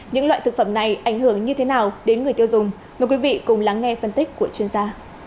những loại thực phẩm này ảnh hưởng như thế nào đến người tiêu dùng mời quý vị cùng lắng nghe phân tích của chuyên gia